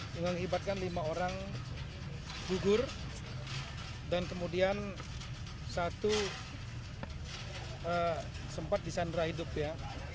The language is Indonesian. yang mengibatkan lima orang bugur dan kemudian satu sempat disandra hidup ya